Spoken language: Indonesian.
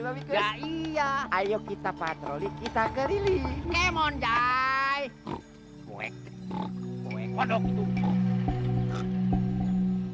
babi enggak iya ayo kita patroli kita ke lili emon jay wek wek waduk tunggu